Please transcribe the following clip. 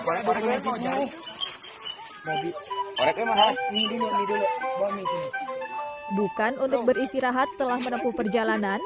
hai lebih lebih mahal ini dulu bukan untuk beristirahat setelah menempuh perjalanan